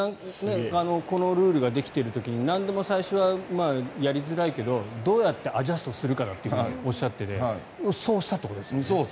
このルールができる時になんでも最初はやりづらいけどどうやってアジャストするかだとおっしゃっていてそうですね。